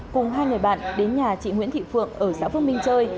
cùng hai người bạn đến nhà chị nguyễn thị phượng ở xã phước minh chơi